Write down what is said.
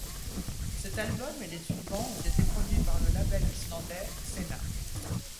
Cet album, et les suivants, ont été produits par le label islandais Sena.